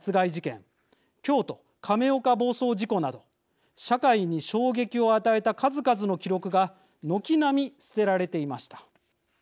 京都亀岡暴走事故など社会に衝撃を与えた数々の記録が軒並み捨てられていました。